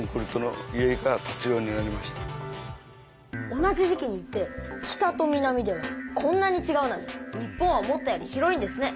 同じ時期に行って北と南ではこんなにちがうなんて日本は思ったより広いんですね。